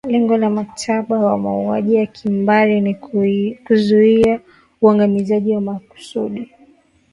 lengo la mkataba wa mauaji ya kimbari ni kuzuia uangamizaji wa makusudi